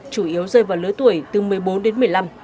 chủ yếu rơi vào lứa tuổi từ một mươi bốn đến một mươi năm